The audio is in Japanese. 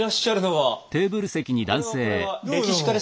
はい。